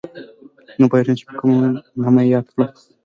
نه پوهېږم چې په کوم نامه یې یاد کړم